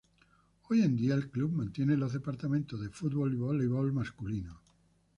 Hoy en día, el club mantiene los departamentos de fútbol y voleibol masculino.